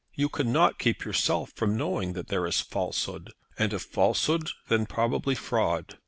You cannot keep yourself from knowing that there is falsehood; and if falsehood, then probably fraud.